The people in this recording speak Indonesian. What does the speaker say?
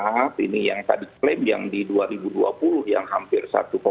maaf ini yang tadi klaim yang di dua ribu dua puluh yang hampir satu empat